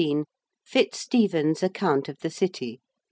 FITZSTEPHEN'S ACCOUNT OF THE CITY.